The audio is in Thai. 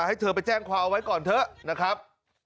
ให้เธอไปแจ้งความเอาไว้ก่อนเถอะนะครับ